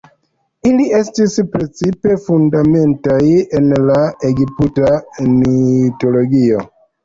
Ili estis precipe fundamentaj en la egipta mitologio.